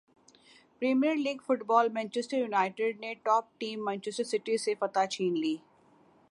premier league football Manchester United نے top team Manchester City سے فتح چھین لی